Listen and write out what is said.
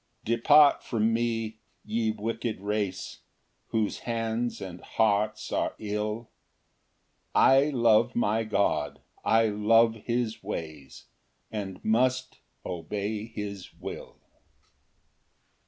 Ver. 115. 6 Depart from me, ye wicked race, Whose hands and hearts are ill; I love my God, I love his ways, And must obey his will.